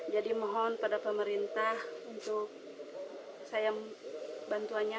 jadi mohon pada pemerintah untuk saya bantuannya